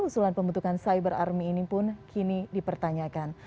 usulan pembentukan cyber army ini pun kini dipertanyakan